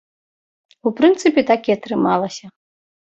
У прынцыпе, так і атрымалася.